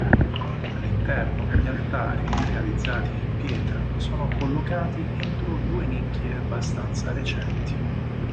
All'interno gli altari, realizzati in pietra, sono collocati entro due nicchie abbastanza recenti.